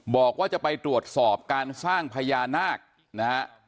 บอกว่าจะไปตรวจสอบการสร้างพญานาคนะฮะ